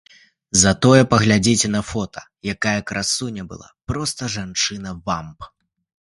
Затое паглядзіце на фота, якая красуня была, проста жанчына-вамп!